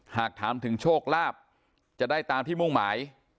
หากถามถึงโชคลาภจะได้ตามที่มุ่งหมาย